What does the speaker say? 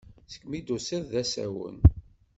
Segmi i d-tusiḍ d asawen.